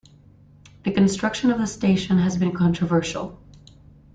The construction of the station has been controversial.